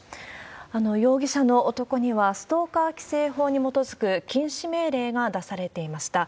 容疑者の男にはストーカー規制法に基づく禁止命令が出されていました。